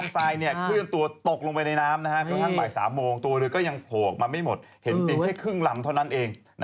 มาดูดไซซ์ตรงเรือขึ้น